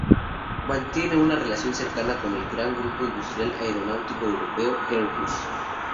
Mantiene una relación cercana con el gran grupo industrial aeronáutico europeo Airbus.